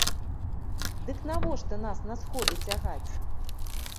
Дык навошта нас на сходы цягаць?